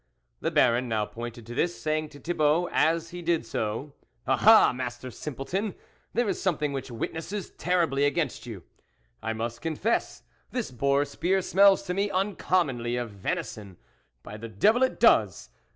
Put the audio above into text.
The Baron now pointed to this, saying to Thibault as he did so :" Ah, ah, Master Simpleton ! there is something which witnesses terribly against you ! I must confess this boar spear smells to me uncommonly of venison, by the devil it does